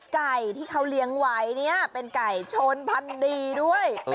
ไก่ที่เขาเลี้ยงไว้เนี่ยเป็นไก่ชนพันธุ์ดีด้วย